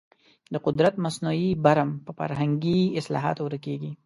د قدرت مصنوعي برم په فرهنګي اصلاحاتو ورکېږي.